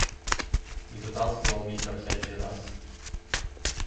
И вытаскивал Мика всякий раз.